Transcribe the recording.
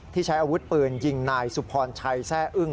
ใช้อาวุธปืนยิงนายสุพรชัยแร่อึ้ง